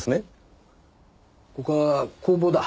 ここは工房だ。